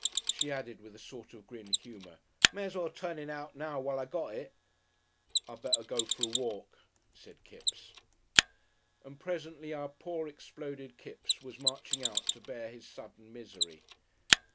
She added with a sort of grim humour: "May as well turn it out now while I got it." "I better go for a walk," said Kipps.... And presently our poor exploded Kipps was marching out to bear his sudden misery.